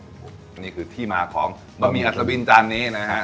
อันนี้คือที่มาของบะหมี่อัศวินจานนี้นะฮะ